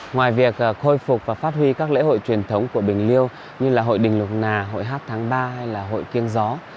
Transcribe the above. ngoài việc khôi phục và phát huy các lễ hội truyền thống của bình liêu như là hội đình lục nà hội hát tháng ba hay là hội kiêng gió